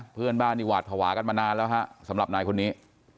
เพื่อนบ้านนี่หวาดภาวะกันมานานแล้วฮะสำหรับนายคนนี้